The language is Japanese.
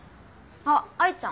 あっ愛ちゃん。